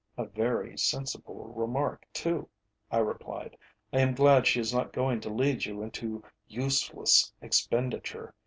'" "A very sensible remark too," I replied. "I am glad she is not going to lead you into useless expenditure.